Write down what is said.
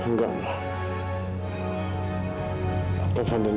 alena bilang kan dia akan usahakan datang